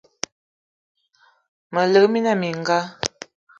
Me lik mina mininga